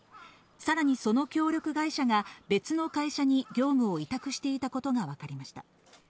さらに、その協力会社が別の会社に業務を委託していたことがわかりました。